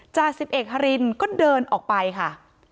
จ่าสิบเอกฮารินก็เดินออกไปค่ะ